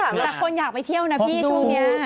แต่คนอยากไปเที่ยวนะพี่ช่วงนี้